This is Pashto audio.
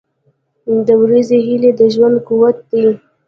• د ورځې هیلې د ژوند قوت دی.